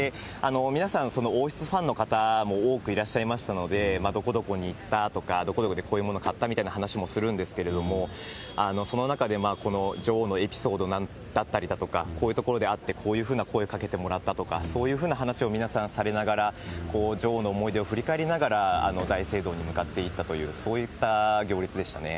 皆さん、王室ファンの方も多くいらっしゃいましたので、どこどこに行ったとか、どこどこでこういうものを買ったみたいな話もするんですけれども、その中で、この女王のエピソードだったりとか、こういう所で会って、こういうふうな声かけてもらったとか、そういうふうな話を皆さんされながら、女王の思い出を振り返りながら、大聖堂に向かっていったという、そういった行列でしたね。